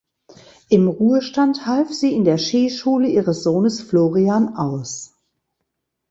Im Ruhestand half sie in der Skischule ihres Sohnes Florian aus.